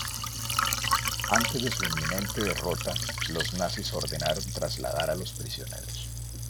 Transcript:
Antes de su inminente derrota, los nazis ordenaron trasladar a los prisioneros.